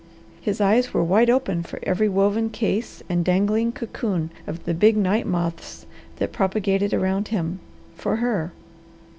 His eyes were wide open for every woven case and dangling cocoon of the big night moths that propagated around him, for her.